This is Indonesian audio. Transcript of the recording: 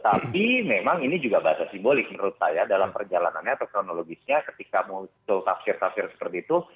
tapi memang ini juga bahasa simbolik menurut saya dalam perjalanannya atau kronologisnya ketika muncul tafsir tafsir seperti itu